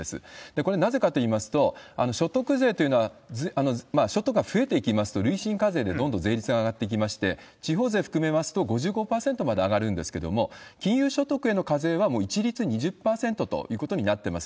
これ、なぜかといいますと、所得税というのは、所得が増えていきますと、累進課税でどんどん税率が上がっていきまして、地方税含めますと５５％まで上がるんですけれども、金融所得への課税は一律２０％ということになってます。